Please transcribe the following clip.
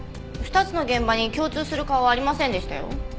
２つの現場に共通する顔はありませんでしたよ。